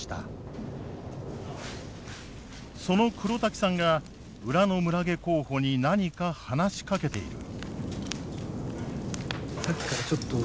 その黒滝さんが裏の村下候補に何か話しかけている。